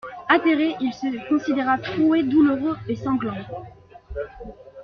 Atterré, il se considéra troué, douloureux et sanglant.